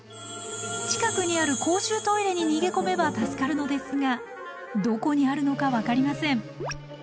近くにある公衆トイレに逃げ込めば助かるのですがどこにあるのか分かりません。